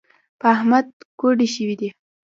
په احمد کوډي شوي دي .